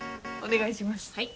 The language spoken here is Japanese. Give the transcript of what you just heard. はい。